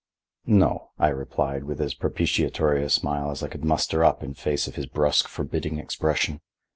"No," I replied with as propitiatory a smile as I could muster up in face of his brusk forbidding expression.